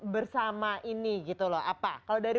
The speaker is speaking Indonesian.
bersama ini gitu loh apa kalau dari